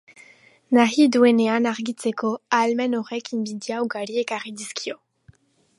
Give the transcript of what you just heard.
Nahi duenean argitzeko ahalmen horrek inbidia ugari ekarri dizkio.